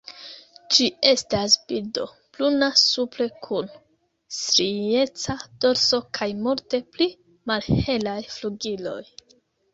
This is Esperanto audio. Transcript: Ĝi estas birdo bruna supre kun strieca dorso kaj multe pli malhelaj flugiloj.